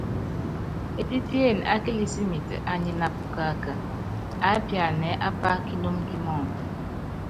Epípíene á kilísimɛt anyi na pukaka, aápianan ɛ́ɛ́ ápá kinúmu kímɔɔdɔ.